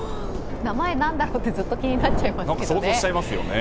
名前何だろうってずっと気になっちゃいますよね。